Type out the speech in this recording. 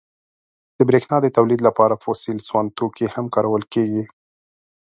• د برېښنا د تولید لپاره فوسیل سون توکي هم کارول کېږي.